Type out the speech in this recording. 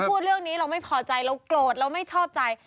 พูดเรื่องนี้เราไม่พอใจเราโกรธเราไม่ชอบใจ